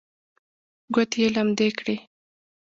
ګوتې یې لمدې کړې.